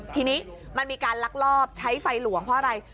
ทีนี้มันมีการลักลอบใช้ไฟหลวงเพราะอะไร